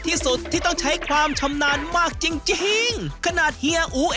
ได้หนูลองได้ใช่ไหมเฮีย